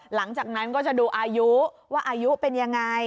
หลังจากนั้นก็จะดูอายุว่าอายุเป็นยังไง